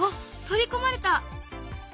取り込まれた。